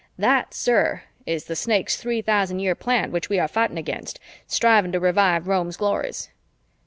That, sir, is the Snakes' Three Thousand Year Plan which we are fighting against, striving to revive Rome's glories."